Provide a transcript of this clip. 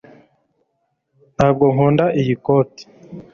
ntabwo nkunda iyi koti